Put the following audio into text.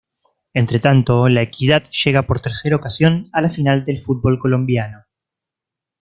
Entre tanto, La Equidad llega por tercera ocasión a la final del fútbol colombiano.